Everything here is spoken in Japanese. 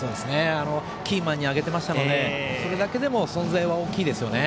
キーマンに上げてましたのでそれだけでも存在は大きいですね。